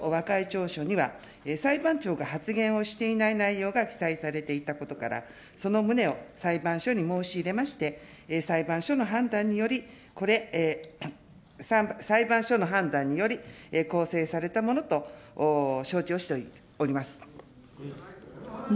調書には、裁判長が発言をしていない内容が記載されていたことから、その旨を裁判所に申し入れまして、裁判所の判断により、これ、裁判所の判断により、こうせいされたものと承知をしております。